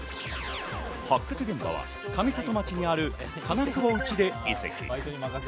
発掘現場は上里町にある金久保内出遺跡。